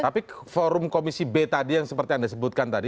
tapi forum komisi b tadi yang seperti anda sebutkan tadi